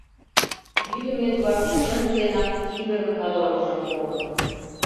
Йӱдым Эдвард чынже денак тигрын ырлымыжым колын.